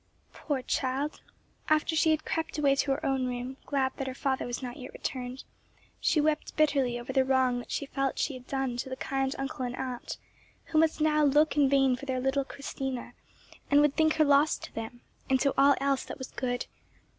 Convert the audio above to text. Poor child! After she had crept away to her own room, glad that her father was not yet returned, she wept bitterly over the wrong that she felt she had done to the kind uncle and aunt, who must now look in vain for their little Christina, and would think her lost to them, and to all else that was good.